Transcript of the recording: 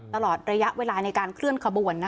ตลอดระยะเวลาในการเคลื่อนขบวน